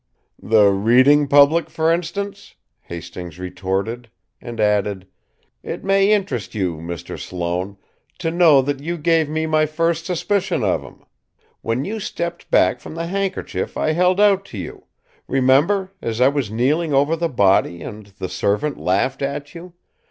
"The reading public, for instance?" Hastings retorted, and added: "It may interest you, Mr. Sloane, to know that you gave me my first suspicion of him. When you stepped back from the handkerchief I held out to you remember, as I was kneeling over the body, and the servant laughed at you?